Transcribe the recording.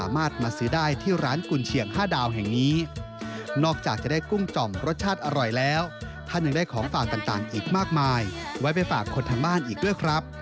ไว้ไปฝากคนทางบ้านอีกด้วยครับ